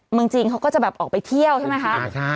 เมืองจีนเขาก็จะแบบออกไปเที่ยวใช่ไหมคะ